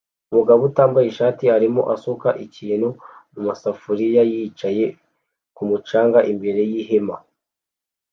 Umugabo utambaye ishati arimo asuka ikintu mumasafuriya yicaye kumucanga imbere yihema nicunga